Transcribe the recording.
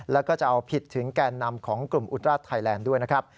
แล้วก็จะเอาผิดถึงแก่นำของกลุ่มอุตราชไทยแลนด์ด้วยนะครับ